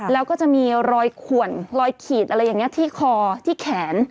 แล้วก็จะมีรอยขวนรอยขีดอะไรอย่างนี้ที่คอที่แขน